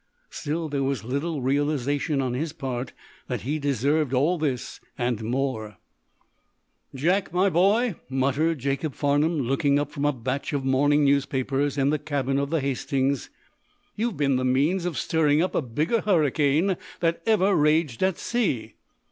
Still, there was little realization, on his part, that he deserved all this, and more. "Jack, my boy," muttered Jacob Farnum, looking up from a batch of morning newspapers in the cabin of the "Hastings," "You've been the means of stirring up a bigger hurricane than ever raged at sea."